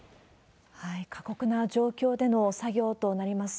過酷な状況での作業となります。